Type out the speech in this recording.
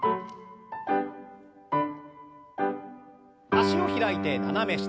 脚を開いて斜め下。